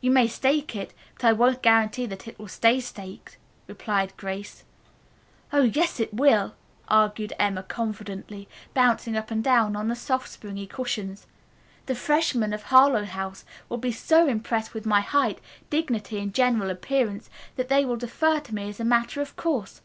"You may stake it, but I won't guarantee that it will stay staked," replied Grace. "Oh, yes, it will," argued Emma confidently, bouncing up and down on the soft springy cushions. "The freshmen of Harlowe House will be so impressed with my height, dignity and general appearance that they will defer to me as a matter of course.